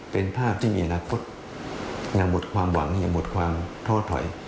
เป็นภาพที่มีอนาคตยังหมดความหวังยังหมดความท้อถอย